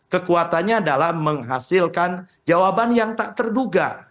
kekuatannya adalah menghasilkan jawaban yang tak terduga